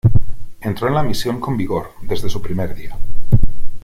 Entró en la misión con vigor desde su primer día.